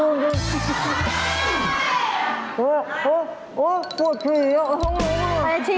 โอ๊ยโอ๊ยโอ๊ยโอ๊ยโอ๊ยโอ๊ยโอ๊ย